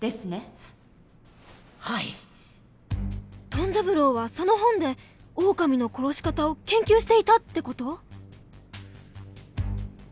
トン三郎はその本でオオカミの殺し方を研究していたって事？